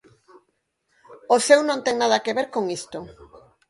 O seu non ten nada que ver con isto.